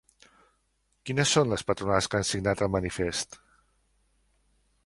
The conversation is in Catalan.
Quines són les patronals que han signat el manifest?